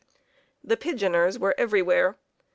The pigeoners were everywhere.